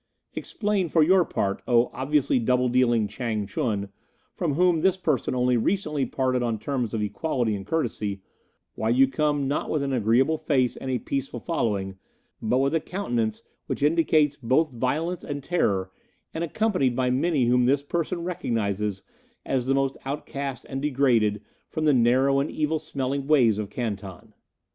"Explain, for your part, O obviously double dealing Chang ch'un, from whom this person only recently parted on terms of equality and courtesy, why you come not with an agreeable face and a peaceful following, but with a countenance which indicates both violence and terror, and accompanied by many whom this person recognizes as the most outcast and degraded from the narrow and evil smelling ways of Canton?"